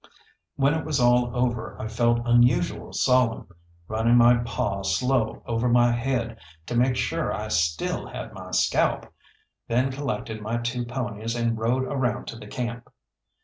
When it was all over I felt unusual solemn, running my paw slow over my head to make sure I still had my scalp; then collected my two ponies and rode around to the camp.